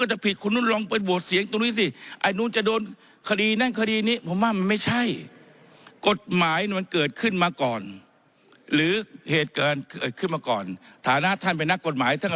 เหตุการณ์เกิดขึ้นจึงมาร่างกฎหมาย